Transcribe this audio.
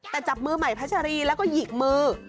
แต่จับมือใหม่พัชรีแล้วก็หยิกมือ